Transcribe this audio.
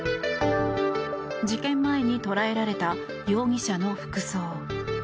事件前に捉えられた容疑者の服装。